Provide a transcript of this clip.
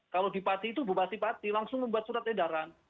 kalau bupati itu bupati pati langsung membuat surat edaran